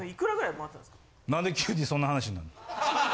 なんで急にそんな話になる。